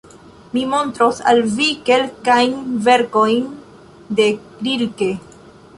Mi montros al vi kelkajn verkojn de Rilke.